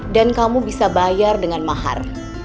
dan kamu bisa bayar dengan mahar